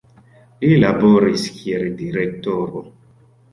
Li laboris kiel direktoro.